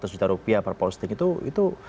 seratus juta rupiah per posting itu